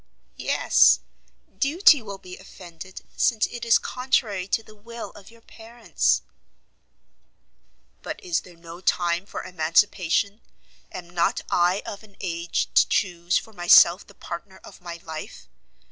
"Yes; duty will be offended, since it is contrary to the will of your parents." "But is there no time for emancipation? Am not I of an age to chuse for myself the partner of my life?